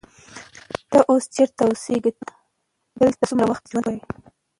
ته اوس چیرته اوسېږې؟ ته دلته څومره وخت ژوند کوې؟